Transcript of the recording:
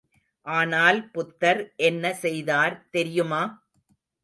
ஆனால் புத்தர் என்ன செய்தார் தெரியுமா?